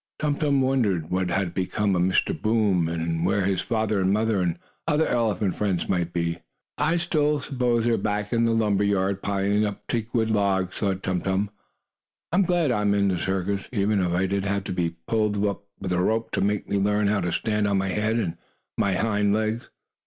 Tum Tum wondered what had become of Mr. Boom and where his father and mother, and his other elephant friends, might be. "I suppose they are still back in the lumber yard, piling up teakwood logs," thought Tum Tum. "I am glad I am in the circus, even if I did have to be pulled up with a rope to make me learn how to stand on my head and my hind legs."